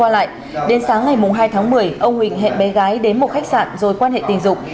lại đến sáng ngày hai tháng một mươi ông huỳnh hẹn bé gái đến một khách sạn rồi quan hệ tình dục